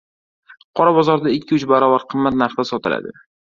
Qora bozorda ikki-uch barobar qimmat narxda sotiladi.